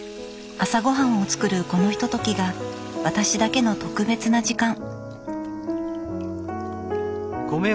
朝ごはんを作るこのひとときが私だけの特別な時間。